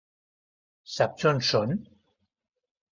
Saps on són?